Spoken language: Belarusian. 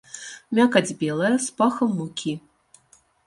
Мякаць белая, з пахам мукі.